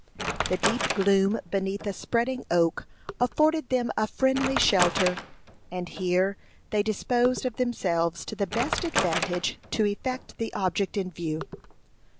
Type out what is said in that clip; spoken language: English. The deep gloom beneath a spreading oak afforded them a friendly shelter; and here they disposed of themselves to the best advantage to effect the object in view.